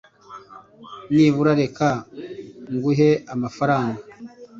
nibura reka nguhe amafaranga